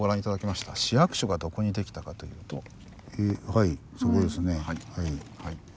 はいそこですね。